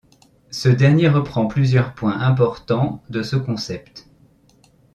Ce dernier reprend plusieurs points importants de ce concept.